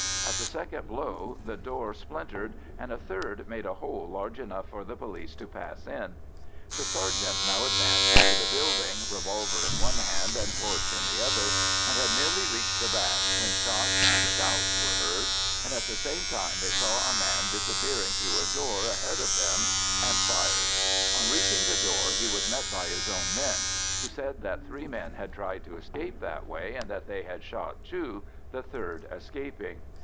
At the second blow the door splintered, and a third made a hole large enough for the police to pass in. The sergeant now advanced into the building, revolver in one hand and torch in the other, and had nearly reached the back when shots and shouts were heard, and at the same time he saw a man disappearing through a door ahead of him and fired. On reaching the door he was met by his own men, who said that three men had tried to escape that way, and that they had shot two, the third escaping.